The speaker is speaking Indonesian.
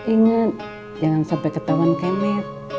ingat jangan sampai ketahuan kemit